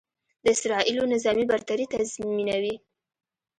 د اسرائیلو نظامي برتري تضیمنوي.